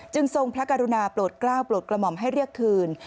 ทรงพระกรุณาโปรดกล้าวโปรดกระหม่อมให้เรียกคืน